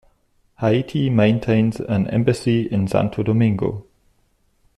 Haiti maintains an embassy in Santo Domingo.